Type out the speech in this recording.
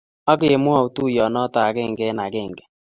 okemwou tuyenoto ekenge eng ekenge.